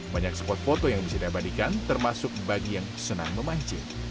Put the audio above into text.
banyak spot foto yang bisa diabadikan termasuk bagi yang senang memancing